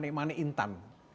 dan itu adalah manik manik intan